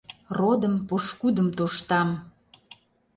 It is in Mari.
Родым, пошкудым тоштам: